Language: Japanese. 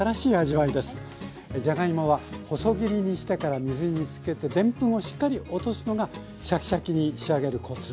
じゃがいもは細切りにしてから水につけてでんぷんをしっかり落とすのがシャキシャキに仕上げるコツ。